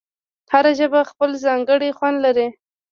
هره ژبه خپل ځانګړی خوند لري.